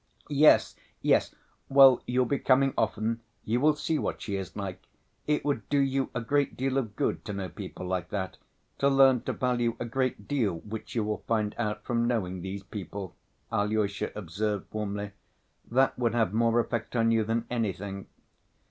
"Yes, yes! Well, you'll be coming often, you will see what she is like. It would do you a great deal of good to know people like that, to learn to value a great deal which you will find out from knowing these people," Alyosha observed warmly. "That would have more effect on you than anything."